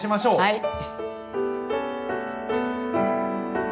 はい。